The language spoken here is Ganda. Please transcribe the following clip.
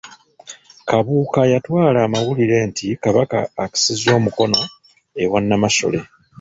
Kabuuka y'atwala amawulire nti kabaka akisizza omukono ewa Namasole.